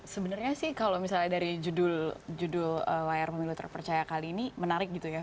sebenarnya sih kalau misalnya dari judul layar pemilu terpercaya kali ini menarik gitu ya